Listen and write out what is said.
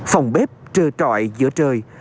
phòng bếp trơ trọi giữa trời